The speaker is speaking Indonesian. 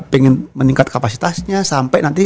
pengen meningkat kapasitasnya sampai nanti